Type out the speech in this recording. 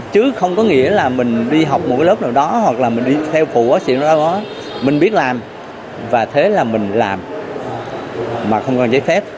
chứ không có nghĩa là mình đi học một lớp nào đó hoặc là mình đi theo phụ thì lúc đó mình biết làm và thế là mình làm mà không có giấy phép